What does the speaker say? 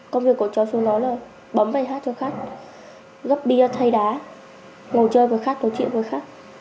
công việc của cháu xuống đó là bấm bài hát cho khách gấp bia thay đá ngồi chơi với khách nói chuyện với khách